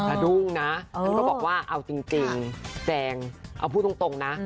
ดุ้งนะท่านก็บอกว่าเอาจริงแจงเอาพูดตรงนะ